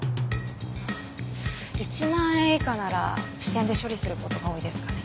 １万円以下なら支店で処理する事が多いですかね。